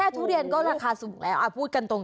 ทุเรียนก็ราคาสูงแล้วพูดกันตรง